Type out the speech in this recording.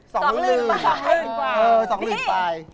สองลืนปลาย